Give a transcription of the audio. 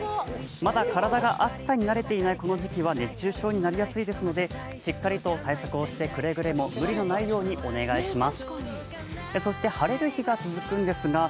まだ体が暑さに慣れていないこの時期は熱中症になりやすいですので、しっかりと対策をしてくれぐれも無理のないようにお願いします。